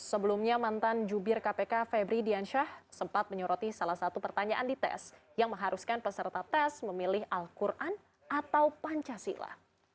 sebelumnya mantan jubir kpk febri diansyah sempat menyoroti salah satu pertanyaan di tes yang mengharuskan peserta tes memilih al quran atau pancasila